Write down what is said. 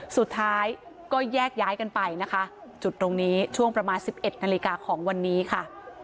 สุดท้ายก็แยกย้ายกันไปนะคะจุดตรงนี้ช่วงประมาณ๑๑นาฬิกาของวันนี้ค่ะ